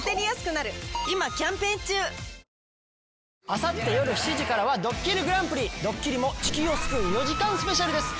あさって夜７時からは『ドッキリＧＰ』ドッキリも地球を救う４時間ＳＰです。